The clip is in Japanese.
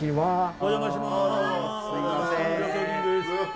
お邪魔します。